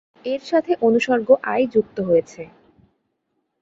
এর সাথে অনুসর্গ আই যুক্ত হয়েছে।